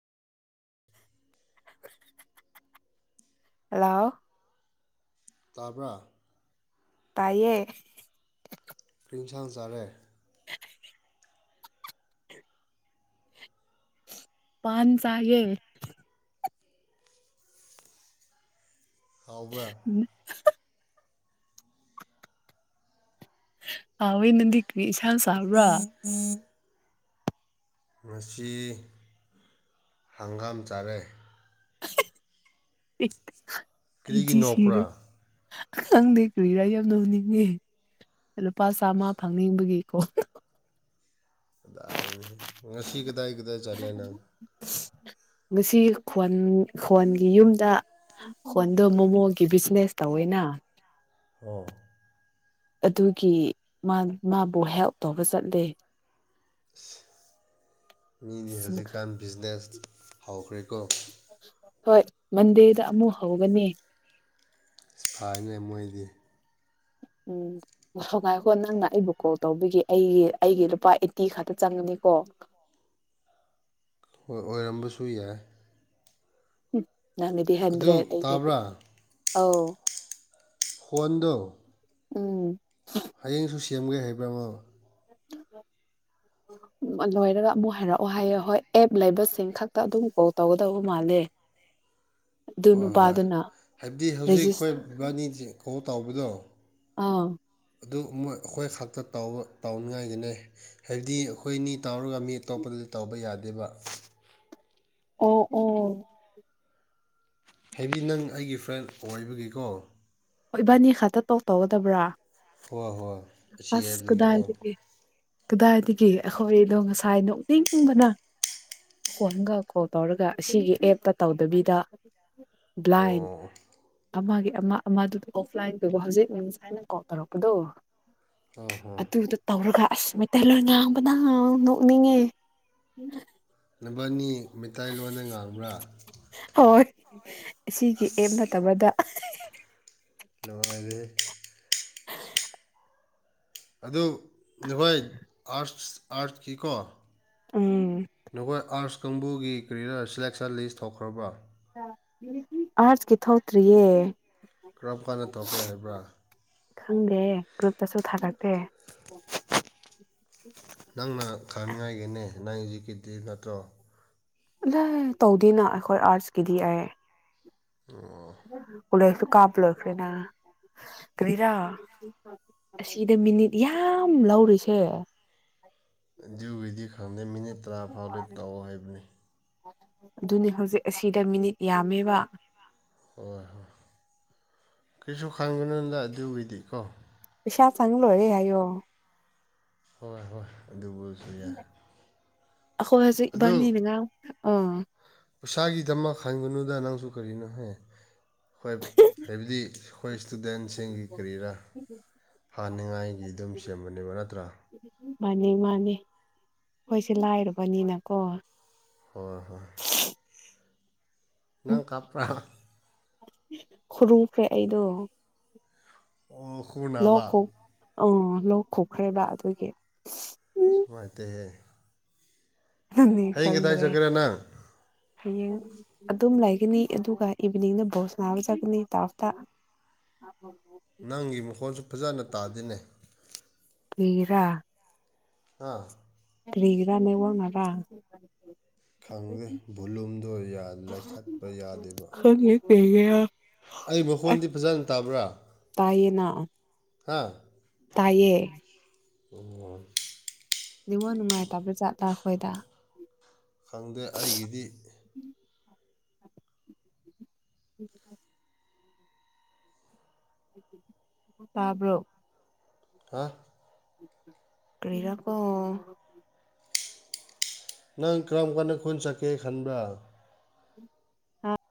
hello ꯇꯥꯕ꯭ꯔꯥ ꯇꯥꯏꯌꯦ ꯀꯔꯤ ꯏꯟꯁꯥꯡ ꯆꯥꯔꯦ ꯄꯥꯟ ꯆꯥꯌꯦ ꯍꯥꯎꯕ꯭ꯔꯥ ꯎ [unintelligible] ꯍꯥꯎꯋꯤ ꯅꯪꯗꯤ ꯀꯔꯤ ꯏꯟꯁꯥꯡ ꯆꯥꯕ꯭ꯔꯥ ꯎ [unintelligible] ꯉꯁꯤ ꯍꯪꯒꯥꯝ ꯆꯥꯔꯦ ꯀꯔꯤꯒꯤ ꯑꯩꯗꯤ ꯁꯤꯔꯦ ꯅꯣꯛꯄ꯭ꯔꯥ ꯈꯪꯗꯦ ꯀ꯭ꯔꯤꯔꯥ ꯌꯥꯝ ꯅꯣꯛꯅꯤꯡꯉꯦ ꯂꯨꯄꯥ ꯆꯥꯝꯃ ꯐꯪꯅꯤꯡꯕꯒꯤꯀꯣ ꯀꯗꯥꯏꯗꯒꯤ ꯉꯁꯤ ꯀꯗꯥꯏ ꯀꯗꯥꯏ ꯆꯠꯂꯦ ꯅꯪ ꯎ [inaudible] ꯉꯁꯤ ꯈꯣꯟ ꯈꯣꯟꯒꯤ ꯌꯨꯝꯗ ꯍꯣꯟꯗꯣ ꯃꯣꯃꯣꯒꯤ ꯕꯤꯖꯤꯅꯦꯁ ꯇꯧꯋꯦꯅ ꯑꯥ ꯑꯗꯨꯒꯤ ꯃꯥꯕꯨ ꯍꯦꯜꯞ ꯇꯧꯕ ꯆꯠꯂꯦ ꯃꯤꯗꯤ ꯍꯧꯖꯤꯛꯀꯥꯟ ꯕꯤꯖꯤꯅꯦꯁ ꯍꯧꯥꯎꯈ꯭ꯔꯦꯀꯣ ꯍꯣꯏ ꯃꯟꯗꯦꯗ ꯑꯃꯨꯛ ꯍꯧꯒꯅꯤ ꯐꯥꯏꯅ ꯃꯣꯏꯗꯤ ꯎꯝ ꯁꯉꯥꯏꯈꯣ ꯅꯪꯅ ꯑꯩꯕꯨ ꯀꯣꯜ ꯇꯧꯕꯤꯒꯦ ꯑꯩꯒꯤ ꯑꯩꯒꯤ ꯂꯨꯄꯥ ꯑꯩꯠꯇꯤ ꯈꯇ ꯆꯪꯉꯅꯤꯀꯣ ꯑꯣꯏꯔꯝꯕꯁꯨ ꯌꯥꯏ ꯎꯝ ꯅꯪꯒꯤꯗꯤ ꯑꯗꯨ ꯍꯟꯗ꯭ꯔꯦ ꯑꯩꯒꯤꯗꯤ ꯇꯥꯕ꯭ꯔꯥ ꯑꯧ ꯍꯣꯟꯗ ꯎꯝ ꯍꯌꯦꯡꯁꯨ ꯁꯦꯝꯒꯦ ꯍꯥꯏꯕ꯭ꯔꯥꯃꯣ ꯎꯝ ꯂꯣꯏꯔꯒ ꯑꯃꯨꯛ ꯍꯥꯏꯔꯛꯑꯣ ꯍꯥꯏꯌꯣ ꯍꯣꯏ ꯑꯦꯞ ꯂꯩꯕꯁꯤꯡ ꯈꯛꯇ ꯑꯗꯨꯝ ꯀꯣꯜ ꯇꯧꯒꯗꯕ ꯃꯥꯜꯂꯦ ꯑꯗꯨ ꯍꯣꯏ ꯍꯣꯏ ꯅꯨꯄꯥꯗꯨꯅ ꯍꯥꯏꯕꯗꯤ ꯍꯧꯖꯤꯛ ꯑꯩꯈꯣꯏ ꯔꯦꯖꯤꯁ ꯏꯕꯥꯅꯤ ꯀꯣ ꯇꯥꯎꯧꯕꯗꯣ ꯑꯥ ꯑꯗꯨ ꯃꯣꯏ ꯑꯩꯈꯣꯏ ꯈꯥꯛꯇ ꯇ ꯇꯧꯅꯤꯡꯉꯥꯏꯒꯤꯅꯦ ꯍꯥꯏꯕꯗꯤ ꯑꯩꯈꯣꯏꯅꯤ ꯇꯥꯎꯔꯒ ꯃꯤ ꯑꯇꯣꯞꯄꯗꯗꯤ ꯇꯥꯎꯧꯕ ꯌꯥꯗꯦꯕ ꯑꯣ ꯑꯣ ꯍꯦꯕꯤ ꯅꯪ ꯑꯩꯒꯤ ꯐ꯭ꯔꯦꯟ ꯑꯣꯏꯕꯒꯤꯀꯣ ꯍꯣꯏ ꯏꯕꯥꯅꯤ ꯈꯛꯇ ꯇꯧ ꯇꯧꯒꯗꯕ꯭ꯔꯥ ꯍꯣ ꯍꯣꯏ ꯑꯁꯤ ꯑꯁ ꯍꯥꯏꯕꯗꯨꯒꯤꯀꯣ ꯀꯗꯥꯏꯗꯒꯤ ꯀꯗꯥꯏꯗꯒꯤ ꯑꯩꯈꯣꯏꯗꯣ ꯉꯁꯥꯏ ꯅꯣꯛꯅꯤꯡꯕꯅ ꯐꯣꯟꯒ ꯀꯣꯜ ꯇꯧꯔꯒ ꯑꯁꯤꯒꯤ ꯑꯦꯞꯇ ꯇꯧꯗꯕꯤꯗ ꯕ꯭ꯂꯥꯏꯟ ꯑꯣ ꯑꯃꯒꯤ ꯑꯃ ꯑꯃꯗꯨ ꯑꯣꯐꯂꯥꯏꯟ ꯇꯧꯕ ꯍꯧꯖꯤꯛ ꯃꯤꯝꯁ ꯍꯥꯏꯅ ꯀꯣꯜ ꯇꯧꯔꯛꯄꯗꯣ ꯍꯣ ꯍꯣ ꯑꯗꯨꯗꯣ ꯇꯧꯔꯒ ꯑꯁ ꯃꯩꯇꯩꯂꯣꯟ ꯉꯥꯡꯕꯅ ꯅꯣꯛꯅꯤꯡꯉꯦ ꯅꯕꯅꯤ ꯃꯩꯇꯥꯏꯂꯣꯟꯗ ꯉꯥꯡꯕ꯭ꯔꯥ ꯍꯣꯏ ꯁꯤꯒꯤ ꯑꯦꯝ ꯑꯁ ꯅꯠꯇꯕꯗ ꯂꯣꯏꯔꯦꯍꯦ ꯑꯗꯨ ꯅꯈꯣꯏ ꯑꯥꯔꯠꯁ ꯑꯥꯔꯠꯀꯤꯀꯣ ꯎꯝ ꯅꯈꯣꯏ ꯑꯥꯔꯁ ꯀꯥꯡꯕꯨꯒꯤ ꯀꯔꯤꯔꯥ ꯁꯤꯂꯦꯛꯁꯟ ꯂꯤꯁ ꯇꯧꯈ꯭ꯔꯕ꯭ꯔꯥ ꯑꯥꯔꯠꯁ ꯀꯤ ꯊꯣꯛꯇ꯭ꯔꯤꯌꯦ ꯀꯔꯝ ꯀꯥꯟꯗ ꯊꯣꯛꯀꯦ ꯍꯥꯏꯕ꯭ꯔꯥ ꯈꯪꯗꯦ ꯒ꯭ꯔꯨꯞꯇꯁꯨ ꯊꯥꯒꯠꯇꯦ ꯅꯪꯅ ꯈꯪꯅꯤꯡꯉꯥꯏꯒꯤꯅꯦ ꯅꯪ ꯍꯧꯖꯤꯛꯀꯤꯗꯤ ꯅꯠꯇ꯭ꯔꯣ [unintelligible] ꯇꯧꯗꯦꯅ ꯑꯩꯈꯣꯏ ꯑꯥꯔꯠꯁꯀꯤꯗꯤ ꯑꯩ ꯑꯣ ꯀꯣꯂꯦꯁ ꯁꯨ ꯀꯥꯞ ꯂꯣꯏꯈ꯭ꯔꯦꯅ ꯀꯔꯤꯔꯥ ꯑꯁꯤꯗ ꯃꯤꯅꯤꯠ ꯌꯥꯝ ꯂꯧꯔꯤꯁꯦ ꯑꯗꯨꯒꯤꯗꯤ ꯈꯪꯗꯦ ꯃꯤꯅꯤꯠ ꯇꯔꯥ ꯐꯥꯎꯗꯤ ꯇꯧꯑꯣ ꯍꯥꯏꯕꯅꯤ ꯑꯗꯨꯅꯦ ꯍꯧꯖꯤꯛ ꯑꯁꯤꯗ ꯃꯤꯅꯤꯠ ꯌꯥꯝꯃꯦꯕ ꯍꯣꯏ ꯍꯣꯏ ꯀꯩꯁꯨ ꯈꯟꯒꯅꯣꯗ ꯑꯗꯨꯒꯤꯗꯤ ꯀꯣ ꯄꯩꯁꯥ ꯆꯪꯅꯨꯡ ꯂꯣꯏꯔꯦ ꯍꯥꯏꯌꯣ ꯍꯣꯏ ꯍꯣꯏ ꯑꯗꯨꯕꯨꯁꯨ ꯌꯥꯏ ꯑꯩꯈꯣꯏ ꯍꯧꯖꯤꯛ ꯑꯗꯨ ꯏꯕꯥꯅꯤꯅꯤ ꯉ ꯑ ꯄꯩꯁꯥꯒꯤꯗꯃꯛ ꯍꯟꯒꯅꯨꯗ ꯅꯪꯁꯨ ꯀꯔꯤꯅꯣꯍꯦ ꯍꯣꯏ ꯍꯥꯏꯕꯗꯤ ꯑꯩꯈꯣꯏ ꯏꯁꯇꯨꯗꯦꯟꯁꯤꯡꯒꯤ ꯀꯔꯤꯔꯥ ꯐꯥꯅꯤꯡꯉꯥꯏꯒꯤ ꯑꯗꯨꯝ ꯁꯦꯝꯕꯅꯦꯕ ꯅꯠꯇ꯭ꯔꯥ ꯃꯥꯅꯤ ꯃꯥꯅꯤ ꯈꯣꯏꯁꯦ ꯂꯥꯏꯔꯕꯅꯤꯅꯀꯣ ꯍꯣꯏ ꯍꯣꯏ ꯅꯪ ꯀꯥꯞꯄ꯭ꯔꯥ ꯈꯨꯔꯨꯈ꯭ꯔꯦ ꯑꯩꯗꯣ ꯑꯣ ꯈꯨꯎ ꯂꯣꯛ ꯅꯥꯕ ꯈꯣ ꯑꯪ ꯂꯣꯛ ꯈꯨꯈ꯭ꯔꯦꯕ ꯑꯗꯨꯒꯤ ꯃꯥꯏꯇꯦꯍꯦ ꯅꯪꯅꯤ ꯈꯪꯗ꯭ꯔꯦ ꯆꯠꯀꯦꯔꯥ ꯅꯪ ꯍꯌꯦꯡ ꯑꯗꯨꯝ ꯂꯩꯒꯅꯤ ꯑꯗꯨꯒ ꯏꯚꯤꯅꯤꯡ ꯕꯣ ꯁꯅꯥꯕ ꯆꯠꯀꯅꯤ ꯇꯥꯞꯇ [unintelligible] ꯅꯪꯒꯤ ꯃꯈꯣꯜꯁꯨ ꯐꯖꯅ ꯇꯥꯗꯦꯅꯦ ꯀ꯭ꯔꯤꯒꯤꯔꯥ ꯍꯥꯥ ꯀ꯭ꯔꯤꯒꯤꯔꯥ ꯅꯦꯋꯥꯛ ꯅꯥꯔꯥ ꯈꯪꯗꯦ ꯚꯨꯂꯨꯝꯗꯣ ꯌꯥ ꯂꯩꯈꯠꯄ ꯌꯥꯗꯦꯕ ꯈꯪꯗꯦ ꯀꯔꯤꯒꯤꯔꯥ ꯑꯩ ꯃꯈꯣꯟꯗꯤ ꯑꯁ ꯐꯖꯅ ꯇꯥꯕ꯭ꯔꯥ ꯇꯥꯏꯌꯦꯅ ꯍꯥ ꯇꯥꯏꯌꯦ ꯊꯨꯡ [unintelligible] ꯅꯤꯉꯣꯜ ꯅꯨꯡꯉꯥꯏꯇꯕ꯭ꯔ ꯖꯥꯠꯂꯥ ꯑꯩꯈꯣꯏꯗ ꯈꯪꯗꯦ ꯑꯩꯒꯤꯗꯤ ꯎꯝ [unintelligible] ꯎꯝ [unintelligible] [unintelligible] ꯇꯥꯕ꯭ꯔꯣ ꯍꯥ ꯀ꯭ꯔꯤꯔꯀꯣ ꯅꯪ ꯀꯔꯝ ꯀꯥꯟꯗ ꯈꯨꯟ ꯆꯠꯀꯦ ꯈꯟꯕ꯭ꯔꯥ ꯍꯥ